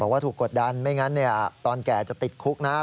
ว่าถูกกดดันไม่งั้นตอนแก่จะติดคุกนะ